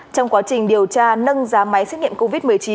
trong quá trình điều tra nâng giá máy xét nghiệm covid một mươi chín